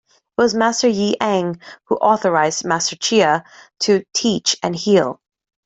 It was Master Yi Eng who authorized Master Chia to teach and heal.